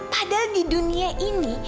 padahal di dunia ini